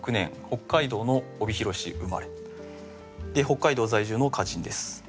北海道在住の歌人です。